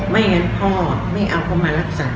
ไม่งั้นพ่อไม่เอาเขามารักษา